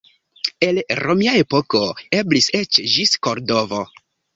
En romia epoko eblis eĉ ĝis Kordovo.